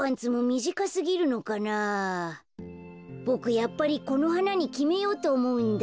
やっぱりこのはなにきめようとおもうんだ。